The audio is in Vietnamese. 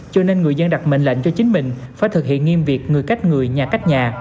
cho nên người dân đặt mệnh lệnh cho chính mình phải thực hiện nghiêm việc người cách người nhà cách nhà